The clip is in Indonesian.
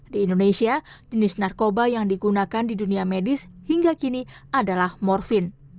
di indonesia jenis narkoba yang digunakan di dunia medis hingga kini adalah morfin